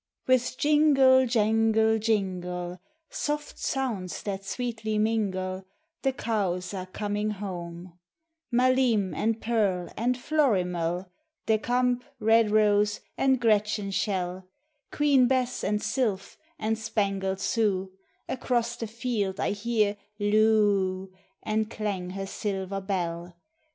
With jingle, jangle, jingle, Soft sounds that sweetly mingle, The cows a iv coming home; Maliine, and Pearl, and Florimcl, DeKamp, Redrose, and Gretchen Schell, Queen Bess, and Sylph, and Spangled Sue— a24 POEMS OF HOME, Across the field I hear loo oo, And clang her silver bell.